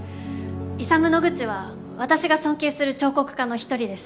イサム・ノグチは私が尊敬する彫刻家の一人です。